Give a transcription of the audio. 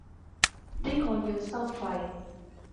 呢個要收費